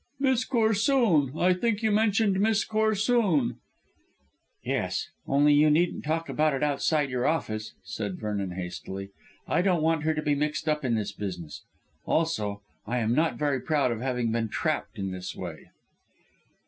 "Miss Corsoon. I think you mentioned Miss Corsoon." "Yes, only you needn't talk about it outside your office," said Vernon hastily. "I don't want her to be mixed up in this business. Also, I am not very proud of having been trapped in this way."